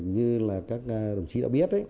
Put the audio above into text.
như là các đồng chí đã biết